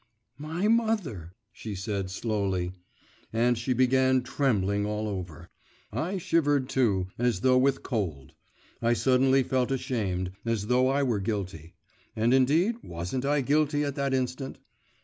'My mother,' she said slowly, and she began trembling all over. I shivered too, as though with cold. I suddenly felt ashamed, as though I were guilty. And indeed, wasn't I guilty at that instant?